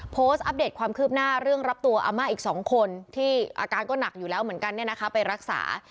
อัปเดตความคืบหน้าเรื่องรับตัวอาม่าอีก๒คนที่อาการก็หนักอยู่แล้วเหมือนกันไปรักษา